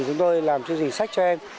chúng tôi làm chương trình sách cho em